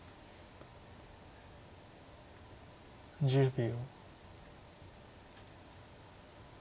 １０秒。